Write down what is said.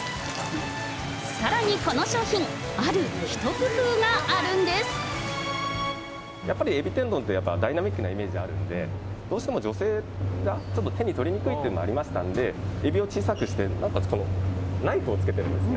さらにこの商品、やっぱりエビ天丼って、ダイナミックなイメージあるんで、どうしても女性がちょっと手に取りにくいというのもありましたんで、エビを小さくして、なおかつナイフをつけてるんですね。